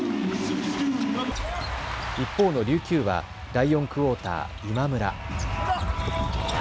一方の琉球は第４クオーター、今村。